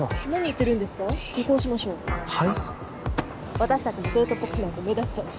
私たちもデートっぽくしないと目立っちゃうし。